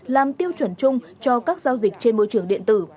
làm tiêu chuẩn chung cho các giao dịch trên môi trường điện tử